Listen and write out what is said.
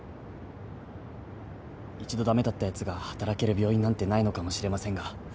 一度駄目だったやつが働ける病院なんてないのかもしれませんが。